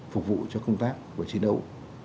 phục vụ cho công tác và chiến đấu